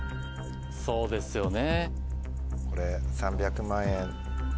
そうですよね。